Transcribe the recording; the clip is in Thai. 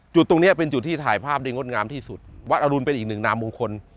ตรงเนี้ยเป็นจุดที่ถ่ายภาพได้งดงามที่สุดวัดอรุณเป็นอีกหนึ่งนามมงคล